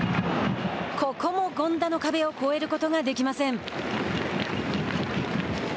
ここも権田の壁を越えることができません。